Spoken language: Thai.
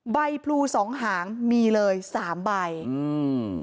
พลูสองหางมีเลยสามใบอืม